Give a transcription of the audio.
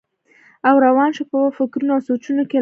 او روان شو پۀ فکرونو او سوچونو کښې لاهو وم